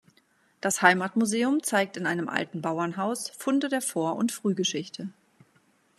Das Heimatmuseum zeigt in einem alten Bauernhaus Funde der Vor- und Frühgeschichte.